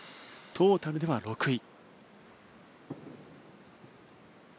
トータルでは６位。